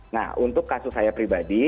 nah untuk kasus saya pribadi